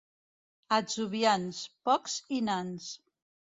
Atzuvians, pocs i nans.